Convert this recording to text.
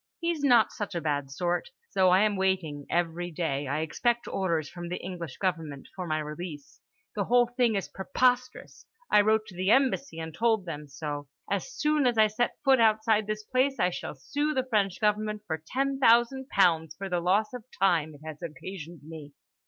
He's not such a bad sort. So I am waiting; every day I expect orders from the English government for my release. The whole thing is preposterous. I wrote to the Embassy and told them so. As soon as I set foot outside this place, I shall sue the French government for ten thousand pounds for the loss of time it has occasioned me.